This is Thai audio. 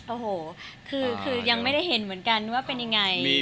โอ้โหคือยังไม่ได้เห็นเหมือนกันว่าเป็นยังไง